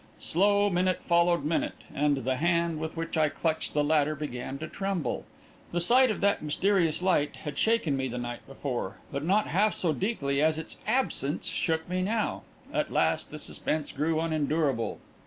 Slow minute followed minute, and the hand with which I clutched the ladder began to tremble. The sight of that mysterious light had shaken me the night before, but not half so deeply as its absence shook me now. At last the suspense grew unendurable.